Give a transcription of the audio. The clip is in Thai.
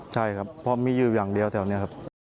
ใช่ครับเพราะมีอยู่อย่างเดียวแถวนี้ครับ